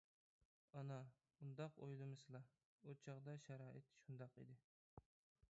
-ئانا، ئۇنداق ئويلىمىسىلا، ئۇ چاغدا شارائىت شۇنداق ئىدى.